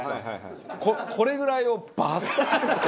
これぐらいをバサッて。